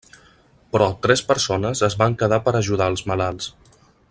Però tres persones es van quedar per ajudar als malalts.